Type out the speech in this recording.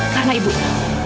karena ibu tahu